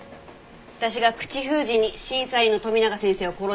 私が口封じに審査員の富永先生を殺したって？